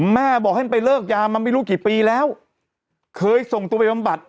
แม่บอกให้มันไปเลิกยามาไม่รู้กี่ปีแล้วเคยส่งตัวไปบำบัด